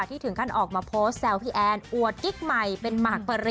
ที่ถึงคลั่นออกมาโพสต์แซวพี่แอนอวดกิ๊กใหม่